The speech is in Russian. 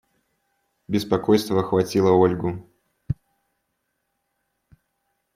Беспокойство охватило Ольгу.